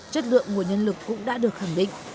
chất lượng nguồn nhân lực cũng đã được khẳng định